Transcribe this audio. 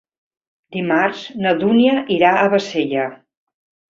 Dimarts na Dúnia irà a Bassella.